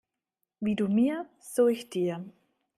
Wie du mir, so ich dir.